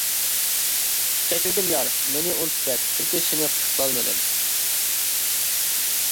كەچۈرگىن يار، مېنى ئۇنتۇپ كەت، چۈنكى سېنى خۇش قىلالمىدىم.